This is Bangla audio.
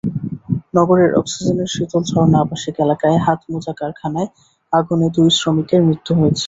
নগরের অক্সিজেনের শীতলঝর্ণা আবাসিক এলাকায় হাতমোজা কারখানায় আগুনে দুই শ্রমিকের মৃত্যু হয়েছে।